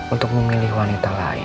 untuk memilih wanita lain